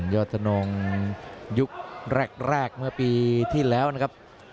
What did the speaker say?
อดทนงยุคแรกเมื่อปีที่แล้วนะครับ